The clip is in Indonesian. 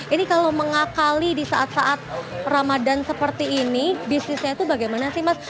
ini kalau mengakali disaat saat ramadhan seperti ini bisnisnya itu bagaimana sih mas